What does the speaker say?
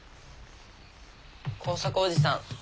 耕作おじさん。